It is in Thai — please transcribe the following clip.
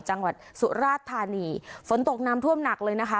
จังหวัดสุราชธานีฝนตกน้ำท่วมหนักเลยนะคะ